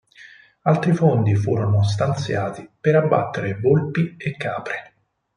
Altri fondi furono stanziati per abbattere volpi e capre.